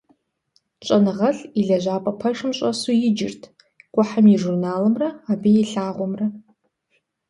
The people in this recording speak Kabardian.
ЩӀэныгъэлӀ и лэжьапӀэ пэшым щӀэсу иджырт кхъухьым и журналымрэ абы и лъагъуэмрэ.